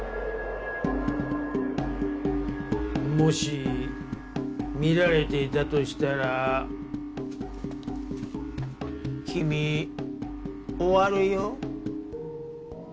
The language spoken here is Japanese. もし見られていたとしたら君終わるよ。